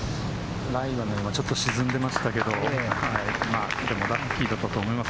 ライはちょっと沈んでましたけれど、でもラッキーだったと思います。